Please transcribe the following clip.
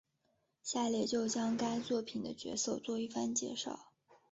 下列就将该作品的角色做一番介绍。